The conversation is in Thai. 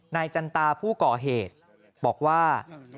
นายจันตาผู้เกาะเหตุบอกว่า